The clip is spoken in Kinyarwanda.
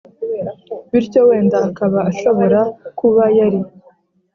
bityo wenda akaba ashobora kuba yari